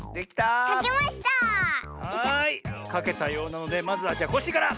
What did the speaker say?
かけたようなのでまずはコッシーから。